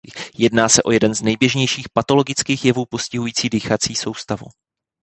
Jedná se o jeden z nejběžnějších patologických jevů postihující dýchací soustavu.